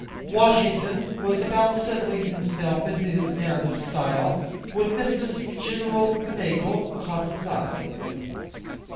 Washington was about settling himself into his narrative style, when Mrs. Gen. McFingal caught his eye.